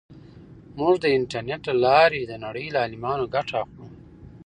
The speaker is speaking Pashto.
موږ د انټرنیټ له لارې د نړۍ له عالمانو ګټه اخلو.